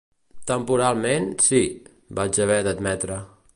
"Temporalment, sí", vaig haver d'admetre.